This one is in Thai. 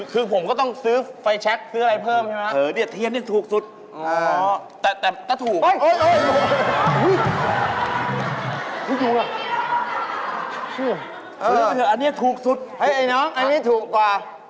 คือผมก็ต้องซื้อไฟแชท